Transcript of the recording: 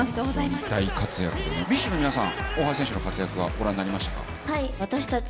ＢｉＳＨの皆さん、大橋選手の活躍はご覧になりましたか？